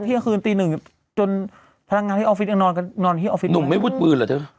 เที่ยงคืนตีหนึ่งจนพลังงานที่ออฟฟิศยังนอนกันนอนที่ออฟฟิศหนุ่มไม่วุดปืนเหรอเธอ